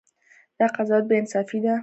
دا قضاوت بې انصافي ده.